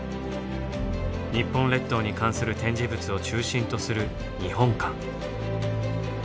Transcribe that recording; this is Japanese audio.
日本列島に関する展示物を中心とする日本館。